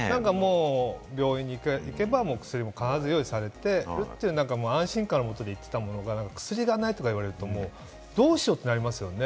病院に行けば薬も必ず用意されて、安心感のもとに行ってたものが薬がないとなるとどうしようとなりますよね。